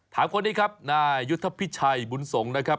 คนนี้ครับนายยุทธพิชัยบุญสงฆ์นะครับ